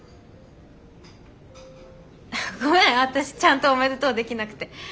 私ちゃんと「おめでとう」できなくて。